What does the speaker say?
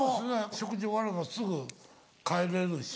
食事終わればすぐ帰れるし。